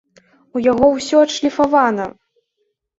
У яго усё адшліфавана!